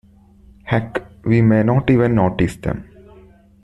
Heck, we may not even notice them.